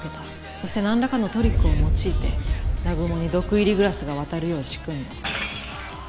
そしてなんらかのトリックを用いて南雲に毒入りグラスが渡るよう仕組んだ。